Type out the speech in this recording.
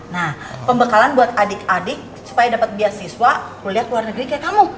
nah pembekalan buat adik adik supaya dapat beasiswa kuliah ke luar negeri kayak kamu